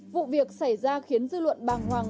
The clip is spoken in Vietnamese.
vụ việc xảy ra khiến dư luận bàng hoàng